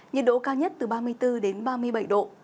nhiệt độ cao nhất từ ba mươi bốn đến ba mươi bảy độ